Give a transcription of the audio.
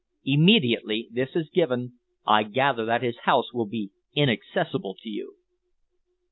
Immediately this is given, I gather that his house will be inaccessible to you."